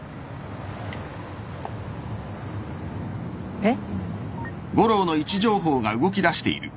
えっ？